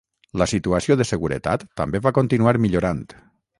La situació de seguretat també va continuar millorant.